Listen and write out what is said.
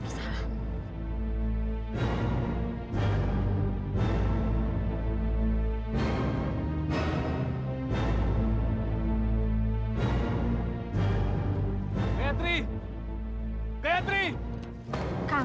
kakang mencintai dia kakang